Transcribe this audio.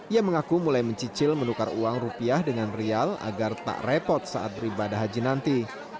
ia mengaku mulai mencicil menukar uang rupiah dengan rial agar tak repot saat beribadah haji nanti